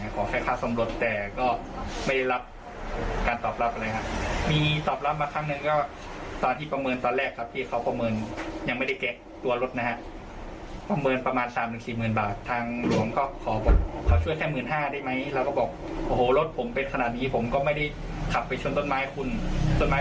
ของแค่ทางสมรสไม่ได้เหรอ